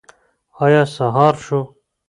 ایا سهار شو؟